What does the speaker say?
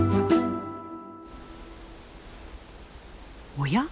おや？